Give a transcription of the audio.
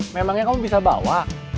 memangnya kamu bisa bawa